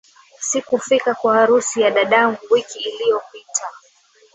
Sikufika kwa harusi ya dadangu wiki iliyopita